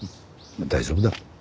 大丈夫だ。